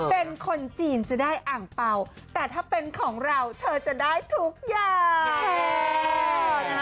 เป็นคนจีนจะได้อ่างเป่าแต่ถ้าเป็นของเราเธอจะได้ทุกอย่าง